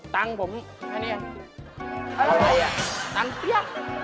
ตังค์ผมค่ะค่ะนี่